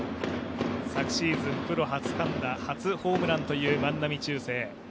昨シーズン、プロ初安打、初ホームランという万波中正。